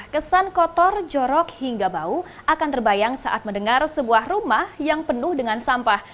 kesan kotor jorok hingga bau akan terbayang saat mendengar sebuah rumah yang penuh dengan sampah